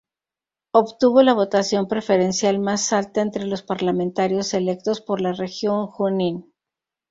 Obtuvo la votación preferencial más alta entre los parlamentarios electos por la Región Junín.